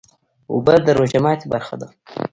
اوبه د روژې ماتی برخه ده